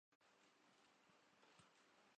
میں چاکلیٹ کی بڑی شوقین ہوں۔